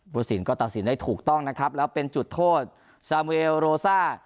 สินก็ตัดสินได้ถูกต้องนะครับแล้วเป็นจุดโทษซาเวลโรซ่า